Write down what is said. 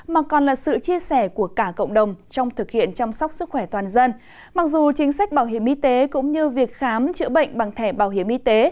mặc dù chính sách bảo hiểm y tế cũng như việc khám chữa bệnh bằng thẻ bảo hiểm y tế